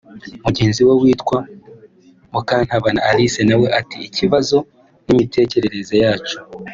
Mugenzi we witwa Mukantabana Alice nawe ati “Ikibazo n’imitekerereze yacu